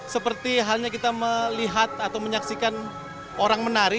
seperti halnya kita melihat atau menyaksikan orang menari